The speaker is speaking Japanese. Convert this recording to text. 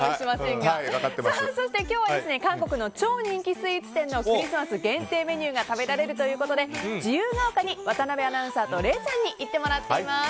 韓国の超人気スイーツ店のクリスマス限定メニューが食べられるということで自由が丘に渡辺アナウンサーと礼さんに行ってもらっています。